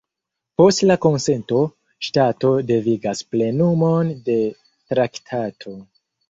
Post la konsento, ŝtato devigas plenumon de traktato.